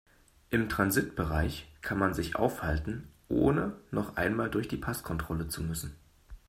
Im Transitbereich kann man sich aufhalten, ohne noch einmal durch die Passkontrolle zu müssen.